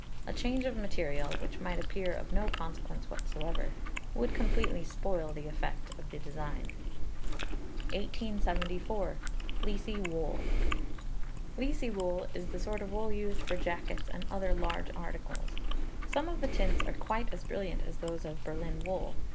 A change of material, which might appear of no consequence whatever, would completely spoil the effect of the design. 1874. Fleecy Wool. Fleecy wool is the sort of wool used for jackets and other large articles. Some of the tints are quite as brilliant as those of Berlin wool.